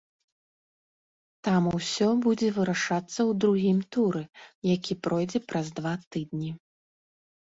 Там усё будзе вырашацца ў другім туры, які пройдзе праз два тыдні.